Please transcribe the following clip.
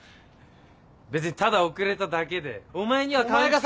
別にただ遅れただけでお前には関係。